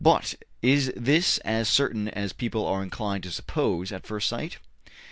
But is this as certain as people are inclined to sup pose at first sight?